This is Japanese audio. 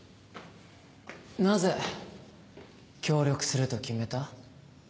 なぜ協力すると決めた？